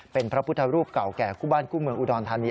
เป็นพระพุทธรูปเก่าแก่คู่บ้านคู่เมืองอุดรธานี